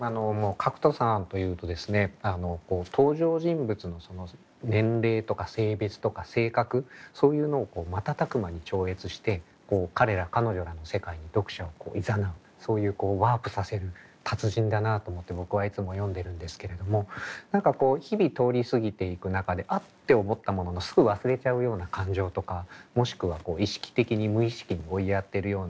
角田さんというとですね登場人物のその年齢とか性別とか性格そういうのを瞬く間に超越して彼ら彼女らの世界に読者をいざなうそういうワープさせる達人だなと思って僕はいつも読んでるんですけれども何かこう日々通り過ぎていく中で「あっ！」て思ったもののすぐ忘れちゃうような感情とかもしくは意識的に無意識に追いやってるようなそういうような思い。